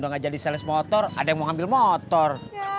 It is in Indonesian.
nggak jadi sales motor ada yang mau ambil motor